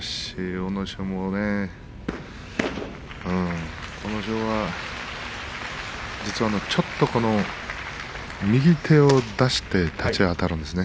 阿武咲はね、ちょっと右手を出して立ち上がるんですね。